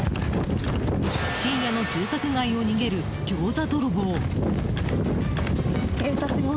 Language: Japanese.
深夜の住宅街を逃げるギョーザ泥棒。